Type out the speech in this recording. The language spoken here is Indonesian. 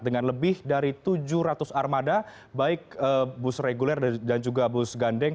dengan lebih dari tujuh ratus armada baik bus reguler dan juga bus gandeng